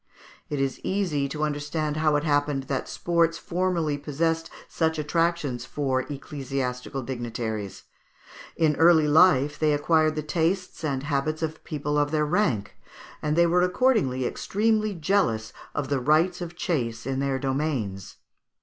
It is easy to understand how it happened that sports formerly possessed such attractions for ecclesiastical dignitaries. In early life they acquired the tastes and habits of people of their rank, and they were accordingly extremely jealous of the rights of chase in their domains.